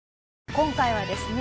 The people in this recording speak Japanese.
今回はですね